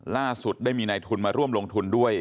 ล่าสุดได้มีนายทุนมาร่วมลงทุนด้วย